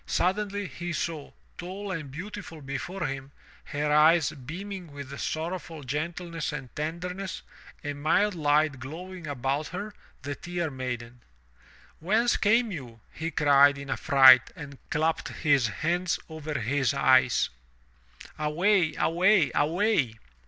Suddenly he saw, tall and beautiful before him, her eyes beaming with sorrowful gentleness and tenderness, a mild light glowing about her — the Tear Maiden. "Whence came you?" he cried in a fright and clapped his hands over his eyes. "Away! Away! Away!"